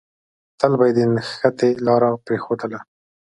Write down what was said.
تل به يې د نښتې لاره پرېښودله.